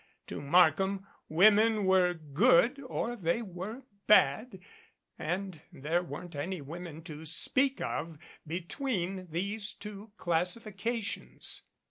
To Mark ham women were good or they were bad and there weren't any women to speak of between these two classifications.